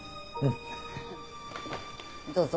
どうぞ。